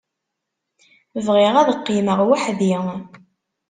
Bɣiɣ ad qqimeɣ weḥd-i.